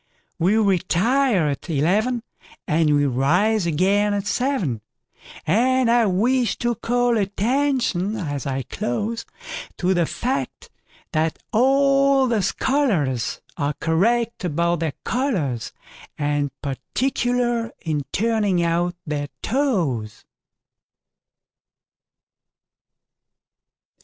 We retire at eleven, And we rise again at seven; And I wish to call attention, as I close, To the fact that all the scholarsAre correct about their collars, And particular in turning out their toes.